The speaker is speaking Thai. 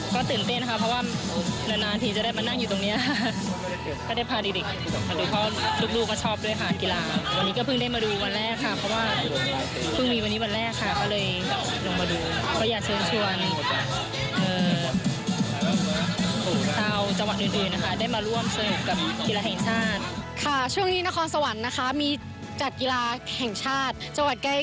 ก็ตื่นเต้นค่ะเพราะว่านานทีจะได้มานั่งอยู่ตรงนี้